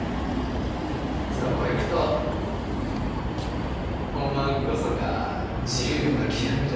そこいくとおまんこそが自由の極みじゃったのう。